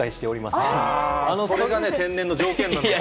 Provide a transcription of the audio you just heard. それこそ天然の条件なんです